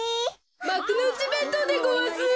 まくのうちべんとうでごわす。